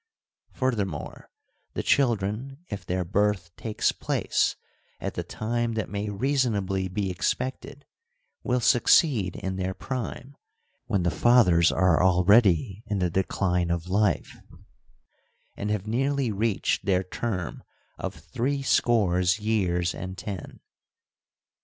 Furthermore, the children, if their birth takes place at the time that may reasonably be expected, will succeed in their prime, when the fathers are already in the decline of life and have nearly reached their term of three scores years and ten.